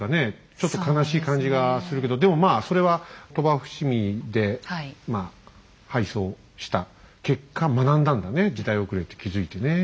ちょっと悲しい感じがするけどでもまあそれは鳥羽伏見で敗走した結果学んだんだね時代遅れって気付いてね。